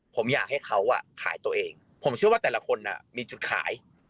ผมอยากให้เขาขายตัวเองผมเชื่อว่าแต่ละคนมีจุดขาย